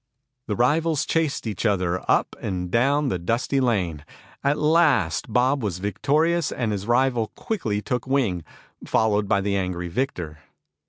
The rivals chased each other up and down the dusty lane. At last Bob was victorious, and his rival quickly took wing, followed by the angry victor.